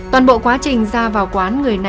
toàn bộ quán cà phê đã bị đưa ra vụ án